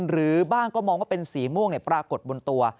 หรือบ้างก็มองว่าเป็นสีม่วงปรากฏบนตัว